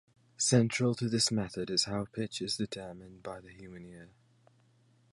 Central to this method is how pitch is determined by the human ear.